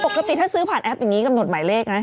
ปกติถ้าซื้อผ่านแอปอย่างนี้กำหนดหมายเลขนะ